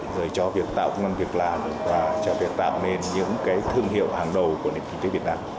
rồi cho việc tạo công an việc làm và cho việc tạo nên những cái thương hiệu hàng đầu của nền kinh tế việt nam